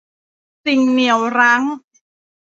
สิ่งเหนี่ยวรั้ง